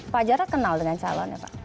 pak jarod kenal dengan calonnya pak